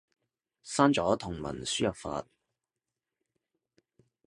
刪咗同文輸入法